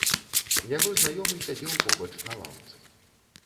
Яго знаёмы сядзеў побач на лаўцы.